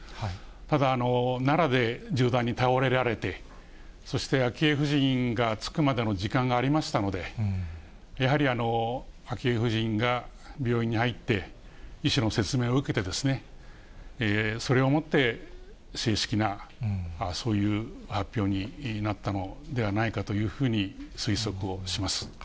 ただ、奈良で銃弾に倒れられて、そして昭恵夫人が着くまでの時間がありましたので、やはり、昭恵夫人が病院に入って、医師の説明を受けて、それをもって、正式な、そういう発表になったのではないかというふうに推測をします。